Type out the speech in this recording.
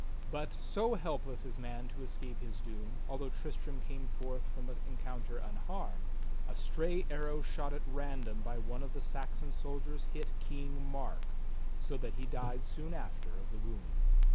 But, so helpless is man to escape his doom, although Tristram came forth from the encounter unharmed, a stray arrow shot at random by one of the Saxon soldiers hit King Mark, so that he died soon after of the wound.